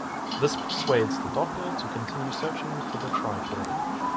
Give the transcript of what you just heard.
This persuades the Doctor to continue searching for the tricorder.